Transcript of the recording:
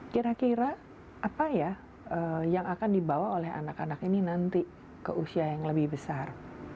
kira kira apa ya yang akan dibawa oleh anak anak ini nanti ke usia yang lebih besar